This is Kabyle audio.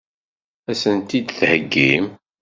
Ad sent-t-id-theggim?